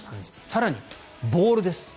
更にボールです。